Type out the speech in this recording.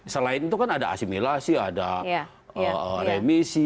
selain itu kan ada asimilasi ada remisi